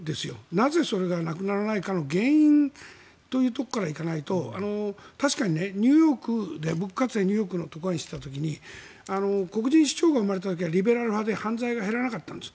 なぜ、それがなくならないかの原因から行かないと確かに、ニューヨークでかつて、僕がニューヨークの特派員をしていた時に黒人首長が生まれた時はリベラル派で犯罪が減らなかったんです。